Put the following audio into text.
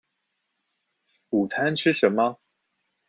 午餐吃什麼